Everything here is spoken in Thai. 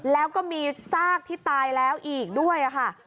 แล้วก็มีซากที่ตายแล้วอีกด้วยค่ะ